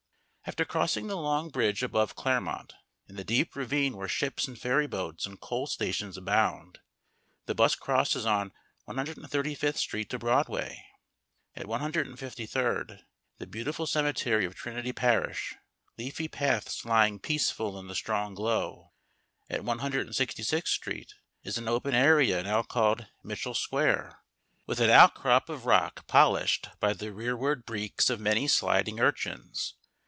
After crossing the long bridge above Claremont and the deep ravine where ships and ferryboats and coal stations abound, the bus crosses on 135th Street to Broadway. At 153d, the beautiful cemetery of Trinity Parish, leafy paths lying peaceful in the strong glow. At 166th Street is an open area now called Mitchel Square, with an outcrop of rock polished by the rearward breeks of many sliding urchins.